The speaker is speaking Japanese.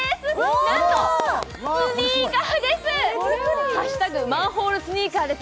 なんと、スニーカーです！